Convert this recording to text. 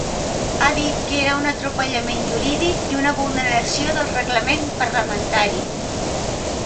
Ha dit que era un ‘atropellament jurídic’ i una vulneració del reglament parlamentari.